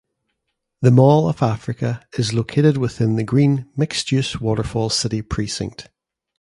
The Mall of Africa is located within the green, mixed-use Waterfall City precinct.